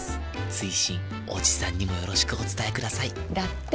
追伸おじさんにもよろしくお伝えくださいだって。